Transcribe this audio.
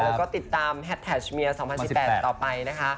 แล้วก็ติดตามแฮดแทชเมีย๒๐๑๘ต่อไปนะคะ